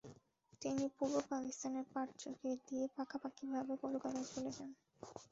তিনি পূর্ব পাকিস্তানের পাট চুকিয়ে দিয়ে পাকাপাকিভাবে কলকাতায় চলে যান।